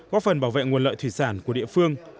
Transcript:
góp phần bảo vệ nguồn lợi thủy sản của địa phương